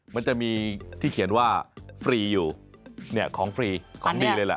มันจะมีที่เขียนว่าฟรีอยู่เนี่ยของฟรีของดีเลยแหละ